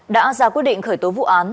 đã ra quyết định khởi tố vụ án